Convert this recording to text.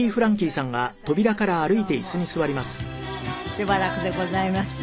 しばらくでございました。